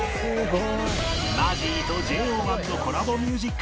マジーと ＪＯ１ のコラボミュージックビデオ